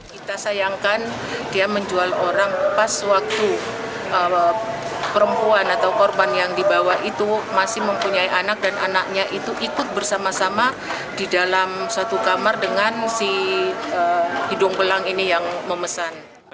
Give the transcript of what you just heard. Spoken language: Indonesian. kita sayangkan dia menjual orang pas waktu perempuan atau korban yang dibawa itu masih mempunyai anak dan anaknya itu ikut bersama sama di dalam satu kamar dengan si hidung belang ini yang memesan